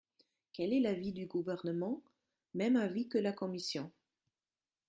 Quel est l’avis du Gouvernement ? Même avis que la commission.